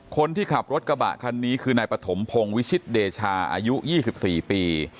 คนขับรถกระบะคันนี้คือนายปฐมพงศ์วิชิตเดชาอายุ๒๔ปี